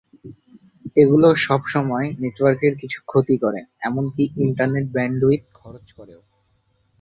এগুলো সবসময় নেটওয়ার্কের কিছু ক্ষতি করে এমনকি ইন্টারনেট ব্যান্ডউইথ খরচ করেও।